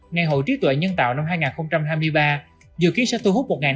ngày hội trí tuệ nhân tạo năm hai nghìn hai mươi ba dự kiến sẽ thu hút